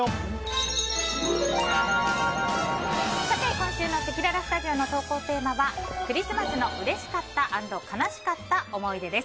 今週のせきららスタジオの投稿テーマはクリスマスのうれしかった＆悲しかった思い出です。